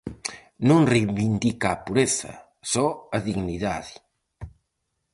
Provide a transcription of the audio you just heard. Non reivindica a pureza, só a dignidade.